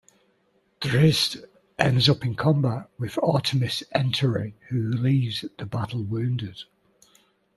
Drizzt ends up in combat with Artemis Entreri, who leaves the battle wounded.